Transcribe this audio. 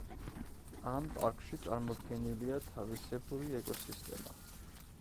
ამ პარკში წარმოდგენილია თავისებური ეკოსისტემა.